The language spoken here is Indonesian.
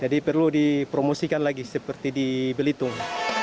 jadi perlu dipromosikan lagi seperti di belitung